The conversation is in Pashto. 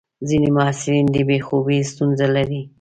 ځینې محصلین د بې خوبي ستونزه لري.